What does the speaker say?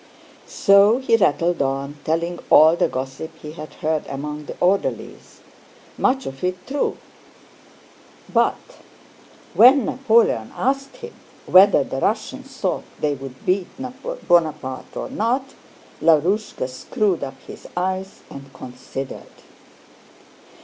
So he rattled on, telling all the gossip he had heard among the orderlies. Much of it true. But when Napoleon asked him whether the Russians thought they would beat Bonaparte or not, Lavrúshka screwed up his eyes and considered.